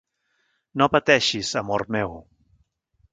No pateixis, amor meu.